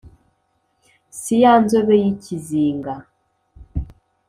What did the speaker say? si ya nzobe y' ikizinga